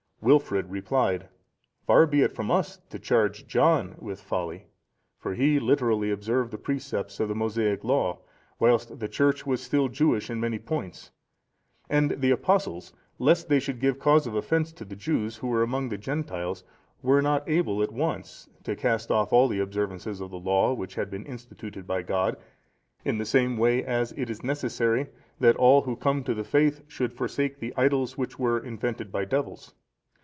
Wilfrid replied, "Far be it from us to charge John with folly, for he literally observed the precepts of the Mosaic Law, whilst the Church was still Jewish in many points, and the Apostles, lest they should give cause of offence to the Jews who were among the Gentiles, were not able at once to cast off all the observances of the Law which had been instituted by God, in the same way as it is necessary that all who come to the faith should forsake the idols which were invented by devils.